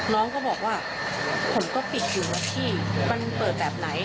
น้องก็บอกว่าผมก็ปิดอยู่นะพี่มันเปิดแบบไหน